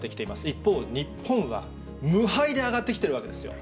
一方、日本は無敗で上がってきてるんですよ。